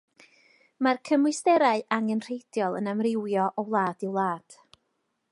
Mae'r cymwysterau angenrheidiol yn amrywio o wlad i wlad.